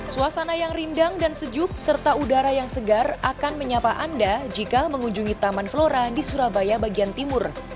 suasana yang rindang dan sejuk serta udara yang segar akan menyapa anda jika mengunjungi taman flora di surabaya bagian timur